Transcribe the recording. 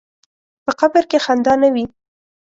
په قبر کې خندا نه وي.